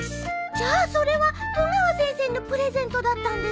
じゃあそれは戸川先生のプレゼントだったんですか？